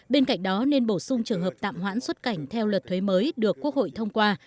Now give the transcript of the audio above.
bên cạnh đó nên bổ sung trường hợp tạm hoãn xuất cảnh theo luật thuế mới được quốc hội thông qua